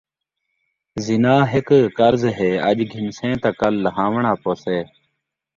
زنا ہک قرض ہے اڄ گھنسیں تاں کل لہاوݨ پوسے